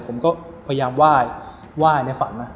ผมก็พยายามว่ายว่ายในฝันนะ